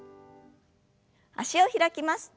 脚を開きます。